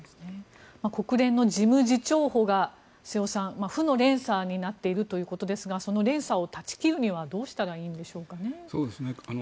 国連の事務次長補が瀬尾さん、負の連鎖になっているということですがその連鎖を断ち切るにはどうしたらいいんでしょうかね。